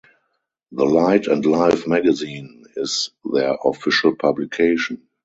The "Light and Life Magazine" is their official publication.